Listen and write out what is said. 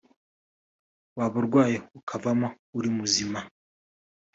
waba urwaye ukavamo uri muzima